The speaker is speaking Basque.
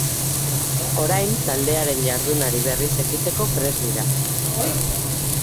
Orain taldearen jardunari berriz ekiteko prest dira.